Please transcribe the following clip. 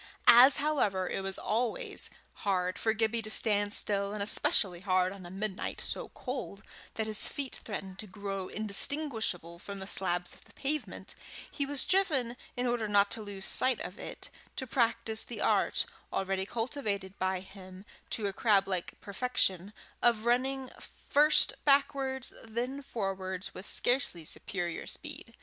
As, however, it was always hard for Gibbie to stand still, and especially hard on a midnight so cold that his feet threatened to grow indistinguishable from the slabs of the pavement, he was driven, in order not to lose sight of it, to practise the art, already cultivated by him to a crab like perfection, of running first backwards, then forwards with scarcely superior speed.